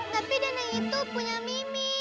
tapi dandang itu punya mimi